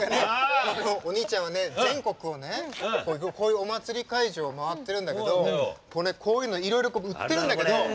お兄ちゃんは全国をこういうお祭り会場を回ってるんだけど、こういうのいろいろ売ってるんだけど。